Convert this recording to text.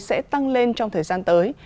sẽ tăng lên trong thời gian tới